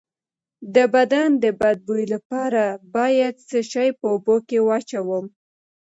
د بدن د بد بوی لپاره باید څه شی په اوبو کې واچوم؟